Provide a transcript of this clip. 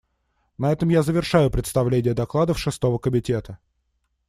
На этом я завершаю представление докладов Шестого комитета.